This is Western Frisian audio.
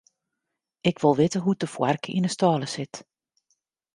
Ik wol witte hoe't de foarke yn 'e stâle sit.